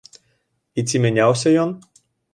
І ці мяняўся ён?